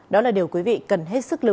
đó là điều quý vị cần hết sức lưu ý